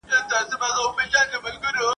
لکه شمع لمبه خورم لمبه مي وخوري ..